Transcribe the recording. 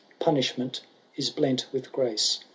Punishment is blent with grace.